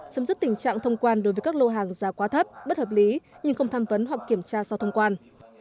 chấm dứt tình trạng thông quan đối với các lô hàng giá quá thấp bất hợp lý nhưng không tham vấn hoặc kiểm tra sau thông quan